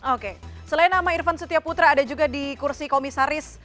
oke selain nama irvan setia putra ada juga di kursi komisaris